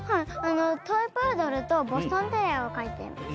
トイプードルとボストンテリアを飼っています。